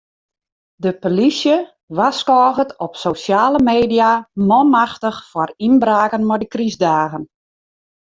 De polysje warskôget op sosjale media manmachtich foar ynbraken mei de krystdagen.